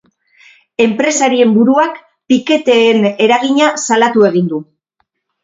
Enpresarien buruak piketeen eragina salatu egin du.